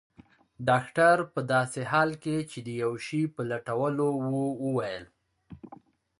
ډاکټر په داسې حال کې چي د یو شي په لټولو وو وویل.